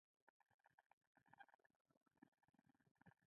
له لیک پرته، فکر له منځه ځي.